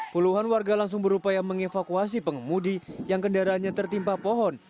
puluhan warga langsung berupaya mengevakuasi pengemudi yang kendaraannya tertimpa pohon